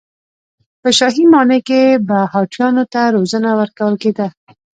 په شاهي ماڼۍ کې به هاتیانو ته روزنه ورکول کېده.